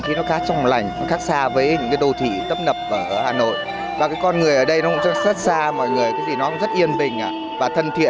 tiếng nói việt nam